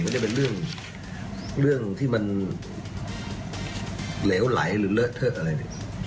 จะเป็นเรื่องที่มันเหลวไหลหรือเลอะเทิดอะไรเนี่ย